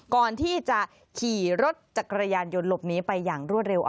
ก่อนที่จะขี่รถจักรยานยนต์หลบหนีไปอย่างรวดเร็ว